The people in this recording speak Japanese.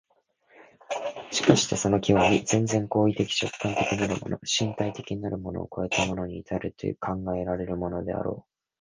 しかしてその極、全然行為的直観的なるもの、身体的なるものを越えたものに到ると考えられるでもあろう。